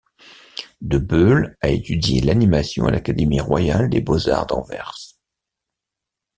De Beule a étudié l'animation à l'Académie royale des beaux-arts d'Anvers.